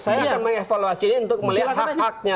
saya akan mengevaluasi ini untuk melihat hak haknya